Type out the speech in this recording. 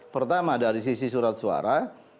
pertama dari sisi surat suara